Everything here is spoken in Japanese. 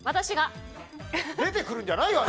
出てくるんじゃないよ！